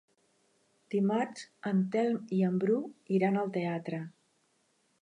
Dimarts en Telm i en Bru iran al teatre.